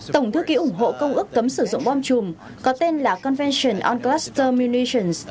tổng thư ký ủng hộ công ước cấm sử dụng bom chùm có tên là convention on cluster munitions